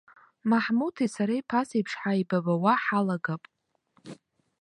Маҳмуҭи сареи ԥасеиԥш ҳаибабауа ҳалагап.